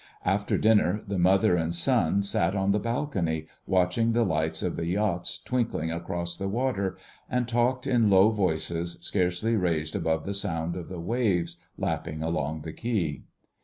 After dinner the mother and son sat on the balcony watching the lights of the yachts twinkling across the water, and talked in low voices scarcely raised above the sound of the waves lapping along the quay.